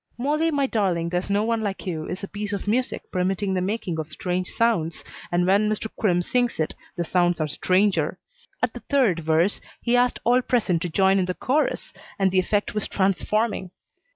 "Molly, My Darling, There's No One Like You" is a piece of music permitting the making of strange sounds, and when Mr. Crimm sings it the sounds are stranger. At the third verse he asked all present to join in the chorus, and the effect was transforming.